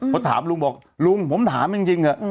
พอถามลุงบอกลุงผมถามจริงเถอะ